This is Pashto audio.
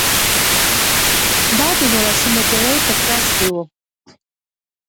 دا د نولسمې پېړۍ په ترڅ کې و.